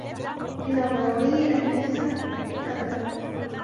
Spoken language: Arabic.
من الضروري أن نحجز مقدمًا.